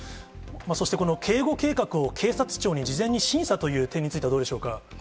そして、この警護計画を警察庁に事前に審査という点についてはどうでしょ